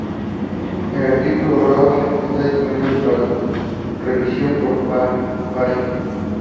El artículo de Rao está disponible para su revisión por pares.